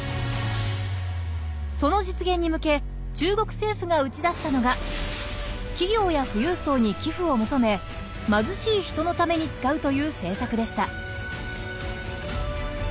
その実現に向け中国政府が打ち出したのが企業や富裕層に寄付を求め貧しい人のために使うという政策でした。